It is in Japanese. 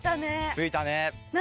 着いたね。